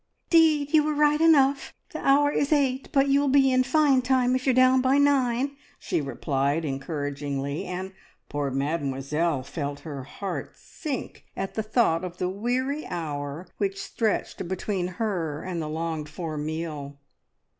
"'Deed, you were right enough. The hour is eight, but you'll be in fine time if you're down by nine," she replied encouragingly; and poor Mademoiselle felt her heart sink at the thought of the weary hour which stretched between her and the longed for meal.